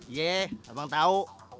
ye abang tau